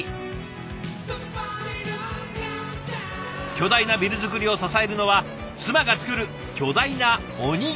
巨大なビル造りを支えるのは妻が作る巨大なおにぎりでした。